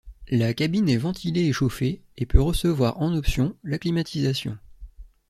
La cabine est ventilée et chauffée et peut recevoir, en option, la climatisation.